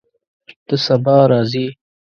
ته سبا راځې؟